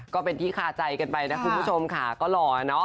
ก็เป็นที่คาใจกันไปนะคุณผู้ชมค่ะก็หล่อเนอะ